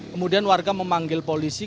kemudian warga memanggil polisi